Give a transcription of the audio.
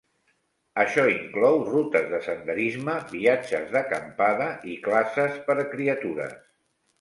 Això inclou rutes de senderisme, viatges d'acampada i classes per a criatures.